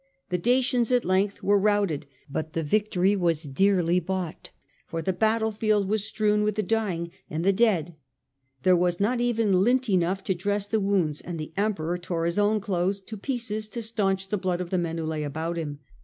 The Dacians at length were routed, but the victory was dearly bought, for the battle field was strewn with the dying and the dead ; there was not even lint enough to dress the wounds and the Emperor tore his own clothes to pieces to stanch the blood of the men who lay about him.